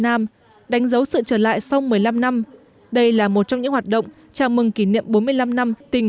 nam đánh dấu sự trở lại sau một mươi năm năm đây là một trong những hoạt động chào mừng kỷ niệm bốn mươi năm năm tỉnh